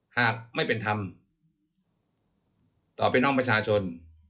หากไม่เป็นธรรมต่อไปน้องประชาชน